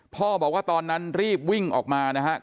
พ่อบอกว่าตอนนั้นรีบวิ่งออกมานะครับ